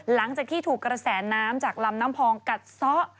หลังจากที่ถูกกระแสน้ำจากลำน้ำพองกัดซะ